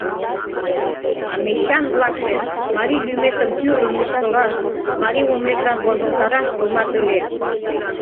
А мещан-влакше марий лӱметым тӱрлын мыскылаш, марий улметлан вожылтараш томат ыле.